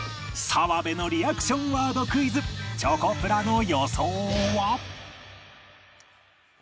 澤部のリアクションワードクイズチョコプラの予想は？